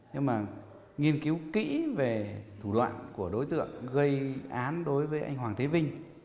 nhưng mà nghiên cứu kỹ về thủ đoạn của đối tượng gây án đối với anh hoàng thế vinh